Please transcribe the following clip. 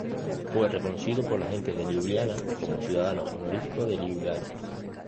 Fue reconocido por la gente de Liubliana como "ciudadano honorífico de Liubliana".